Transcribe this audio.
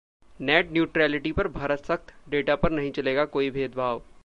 net neutrality पर भारत सख्त, data पर नहीं चलेगा कोई भेदभाव